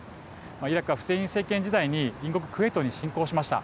イラクはフセイン政権時代に隣国クウェートに侵攻しました。